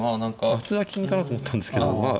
普通は金かなと思ったんですけどまあ